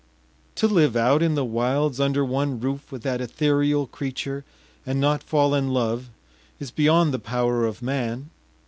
To live out in the wilds under one roof with that ethereal creature and not fall in love is beyond the power of man.